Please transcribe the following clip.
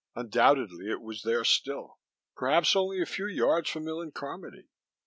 Undoubtedly it was there still perhaps only a few yards from Millen Carmody.